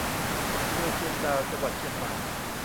อำเภอเชียงดาว จังหวัดเชียงใหม่